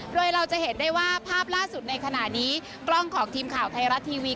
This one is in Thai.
โดยเราจะเห็นได้ว่าภาพล่าสุดในขณะนี้กล้องของทีมข่าวไทยรัฐทีวี